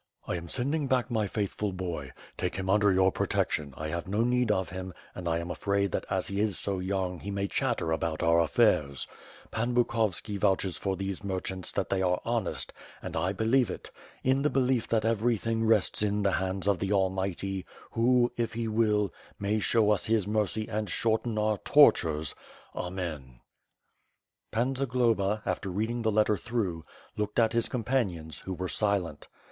I am sending back my faithful boy. Take him under your protection; I have no need of him and I am afraid that as he is so young he may chatter about our affairs. Pan Bukovski vouches for those merchants that they are honest, and I believe it. In the belief that everything rests in the hands of the Almighty, who, if He will, may show us His mercy and shorten our tortures, Amen.". Pan Zagloba, after reading the letter through, looked at his companions, who were silent.